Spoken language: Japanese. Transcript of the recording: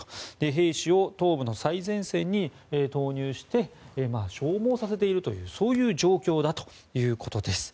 兵士を東部の最前線に投入して消耗させているという状況だということです。